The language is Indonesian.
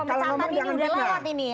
oke ini soal pemecatan ini udah lolot ini ya